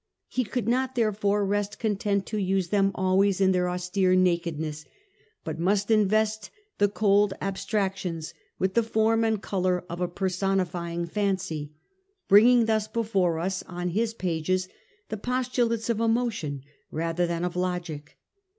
He could not therefore rest content to use them always in their austere nakedness, but must invest the cold abstrac tions with the form and colour of a personifying fancy, bringing thus before us on his pages the postulates of emotion rather than of logic.